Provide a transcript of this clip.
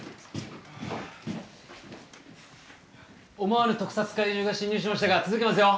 思わぬ特撮怪獣が侵入しましたが続けますよ。